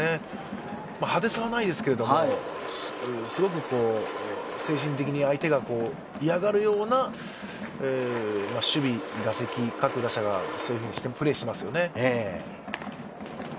派手さはないですがすごく精神的に相手が嫌がるような守備、打席、各打者がそういうふうにプレーしていますよね。